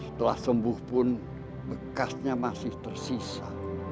setelah sembuh pun bekasnya masih tersisa